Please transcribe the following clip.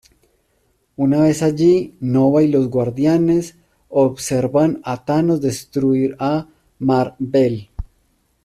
Una vez allí, Nova y los Guardianes observan a Thanos destruir a Mar-Vell.